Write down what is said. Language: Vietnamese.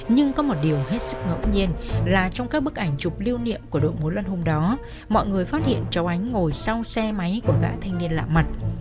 nhưng có một điều hết sức ngẫu nhiên là trong các bức ảnh chụp lưu niệm của đội múa lân hôm đó mọi người phát hiện cháu ánh ngồi sau xe máy của gã thanh niên lạ mặt